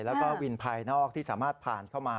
แล้วก็วินภายนอกที่สามารถผ่านเข้ามา